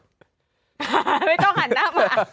ไม่ต้องหันหน้ามา